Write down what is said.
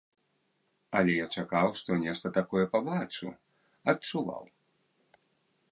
Але я чакаў, што нешта такое пабачу, адчуваў.